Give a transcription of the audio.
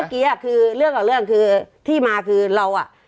เมื่อกี้คือเรื่องกับเรื่องคือที่มาคือเราอ่ะ